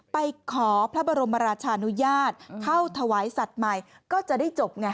ไปขอพระบรมราชานุญาตเข้าถวายศาลนียดก่อนก็จะได้จบเหรอ